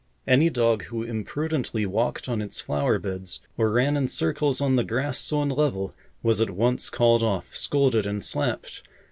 Any dog who imprudently walked on its flower beds, or ran in circles on the grass sown level, was at once called off, scolded, and slapped.